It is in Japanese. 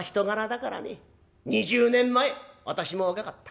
２０年前私も若かった。